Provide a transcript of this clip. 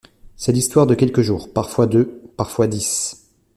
C’est l’histoire de quelques jours, parfois deux, parfois dix.